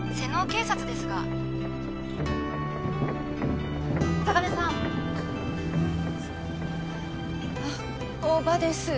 警察ですが嵯峨根さんあっ大庭です